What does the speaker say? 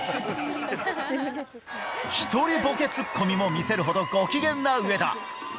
１人ボケツッコミも見せるほどご機嫌な上田。